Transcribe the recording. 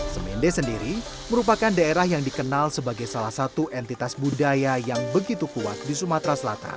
semende sendiri merupakan daerah yang dikenal sebagai salah satu entitas budaya yang begitu kuat di sumatera selatan